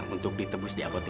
untuk ditebus diakotik